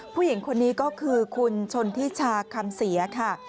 ผู้หญิงคนนี้ก็คือคุณชนทิชาคำเสียค่ะ